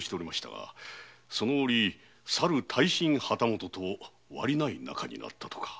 その折さる大身旗本と割りない仲になったとか。